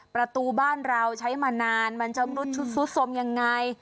ประตูบ้านเราใช้มานานมันจะรุดซุดสมยังไง